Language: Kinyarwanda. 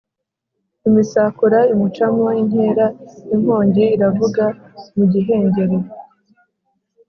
Imisakura imucamo inkera, inkongi iravuga mu Gihengeri